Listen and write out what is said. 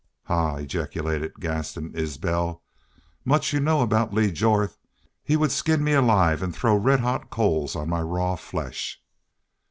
"Hah!" ejaculated Gaston Isbel. "Much you know aboot Lee Jorth. He would skin me alive an' throw red hot coals on my raw flesh."